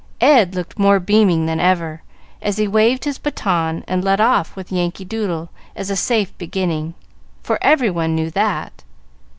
Ed looked more beaming than ever, as he waved his baton and led off with Yankee Doodle as a safe beginning, for every one knew that.